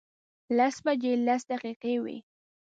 لس بجې لس دقیقې وې.